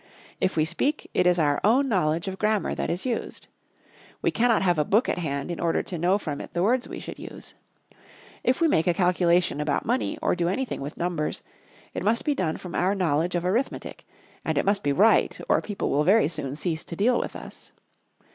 If we speak it is our own knowledge of Grammar that is used. We cannot have a book at hand in order to know from it the words we should use. If we make a calculation about money, or do anything with numbers, it must be done from our knowledge of Arithmetic, and it must be right or people will very soon cease to deal with us.